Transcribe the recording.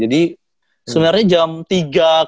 jadi memang harus belum persiapkan gitu kan